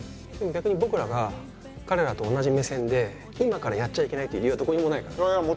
でも逆に僕らが彼らと同じ目線で今からやっちゃいけないっていう理由はどこにもないからね。